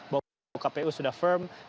bahwa kpu sudah firm